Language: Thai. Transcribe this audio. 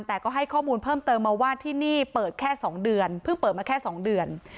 แต่ก็ให้ข้อมูลเพิ่มเติมมาว่าที่นี่เปิดแค่๒เดือนเพิ่งเปิดมาแค่๒เดือน